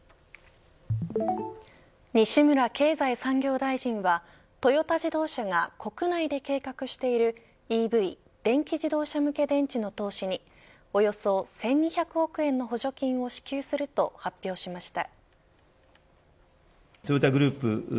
西村経済産業大臣はトヨタ自動車が国内で計画しているＥＶ電気自動車向け電池の投資におよそ１２００億円の補助金を支給すると発表しました。